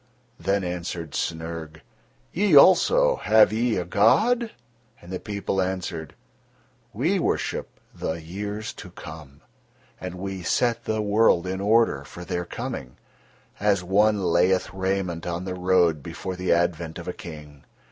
Then answered Snyrg: "Ye also, have ye a god?" And the people answered: "We worship the years to come, and we set the world in order for their coming, as one layeth raiment on the road before the advent of a King.